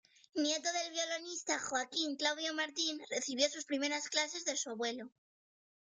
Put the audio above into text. Nieto del violinista Joaquín Claudio Martín, recibió sus primeras clases de su abuelo.